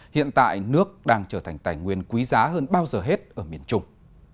hiện tại nước đang trở thành tài nguyên quý giá hơn bao giờ hết ở miền trung